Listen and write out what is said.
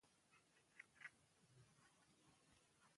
موږ له خپلو ملګرو سره مرسته کوو.